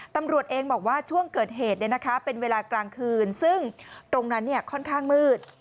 ตำรวจเองบอกว่าช่วงเกิดเหตุเป็นเวลากลางคืนซึ่งตรงนั้นค่อนข้างมืด